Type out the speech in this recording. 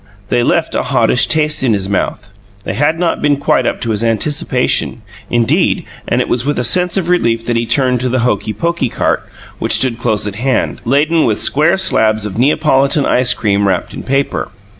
They left a hottish taste in his mouth; they had not been quite up to his anticipation, indeed, and it was with a sense of relief that he turned to the "hokey pokey" cart which stood close at hand, laden with square slabs of "Neapolitan ice cream" wrapped in paper.